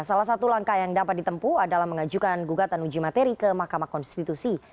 salah satu langkah yang dapat ditempu adalah mengajukan gugatan uji materi ke mahkamah konstitusi